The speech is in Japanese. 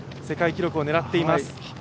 世界記録を狙っています。